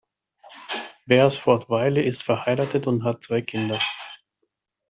Beresford-Wylie ist verheiratet und hat zwei Kinder.